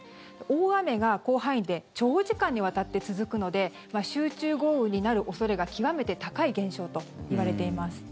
大雨が広範囲で長時間にわたって続くので集中豪雨になる恐れが極めて高い現象といわれています。